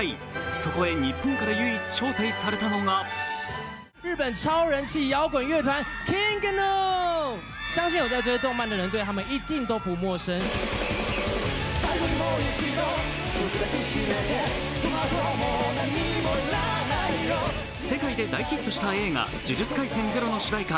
そこへ日本から唯一招待されたのが世界で大ヒットした映画「「呪術廻戦０」の主題歌